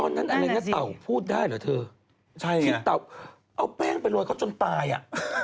ตอนนั้นอะไรนะเต่าพูดได้เหรอเธอใช่ที่เต่าเอาแป้งไปรวยเค้าจนตายอะ